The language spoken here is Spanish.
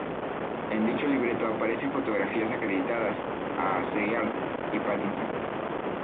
En dicho libreto aparecen fotografías acreditadas a Sergeant y Pattinson.